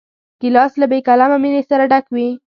ګیلاس له بېکلامه مینې سره ډک وي.